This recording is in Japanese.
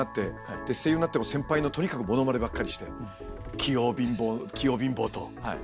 声優になっても先輩のとにかくモノマネばっかりして「器用貧乏」「器用貧乏」と言われて。